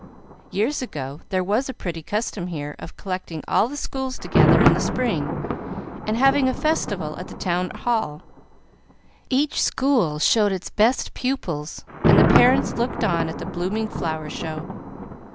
"Years ago, there was a pretty custom here of collecting all the schools together in the spring, and having a festival at the Town Hall. Each school showed its best pupils, and the parents looked on at the blooming flower show.